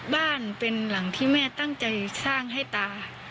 บ้านเป็นหลังที่แม่ตั้งใจสร้างให้ตา